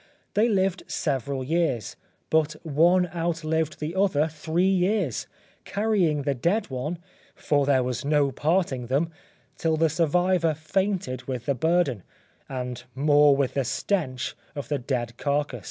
They lived several years, but one outlived the other three years, carrying the dead one (for there was no parting them) till the survivor fainted with the burden, and more with the stench of the dead carcase.